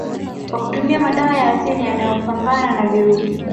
kwa kutumia madawa ya yanayopambana na virusi